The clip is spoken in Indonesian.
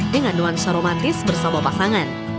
dengan nuansa romantis bersama pasangan